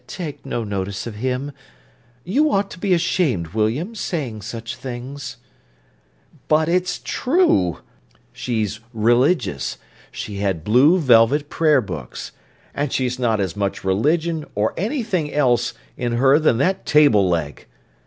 Take no notice of him. You ought to be ashamed, William, saying such things." "But it's true. She's religious—she had blue velvet Prayer Books—and she's not as much religion, or anything else, in her than that table leg.